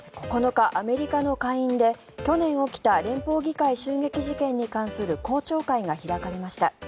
９日、アメリカの下院で去年起きた連邦議会襲撃事件に関する公聴会が開かれました。